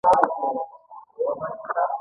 په راتلونکې ورځ بیا خپل کاري ځواک پلوري